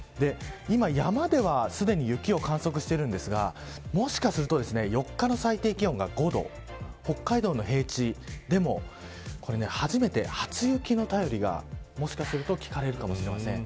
今、山ではすでに雪を観測していますがもしかすると４日の最低気温が５度で北海道の平地でも初雪の便りがもしかすると聞かれるかもしれません。